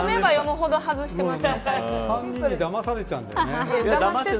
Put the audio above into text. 完全にだまされちゃうんだよね。